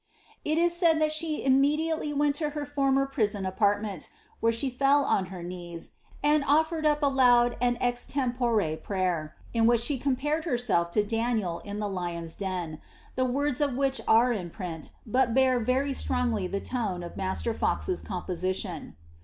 '' It is said that she immediately went to her former prison apartment, where she fell on her knees, and oflered up a loud and extempore prayer, in which she compared herself to Da niel in the lion's den, the words of which are in print, but bear very strongly the tone of Master Fox's composition.